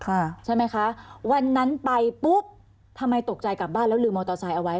ค่ะใช่ไหมคะวันนั้นไปปุ๊บทำไมตกใจกลับบ้านแล้วลืมมอเตอร์ไซค์เอาไว้